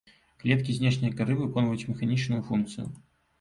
Клеткі знешняй кары выконваюць механічную функцыю.